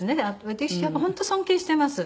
私やっぱ本当尊敬してます。